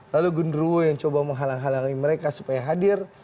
lalu gundurwo yang coba menghalang halangi mereka supaya hadir